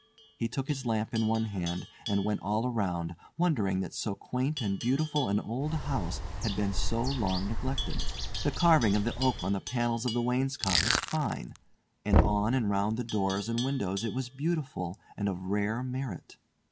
He took his lamp in one hand, and went all around, wondering that so quaint and beautiful an old house had been so long neglected. The carving of the oak on the panels of the wainscot was fine, and on and round the doors and windows it was beautiful and of rare merit.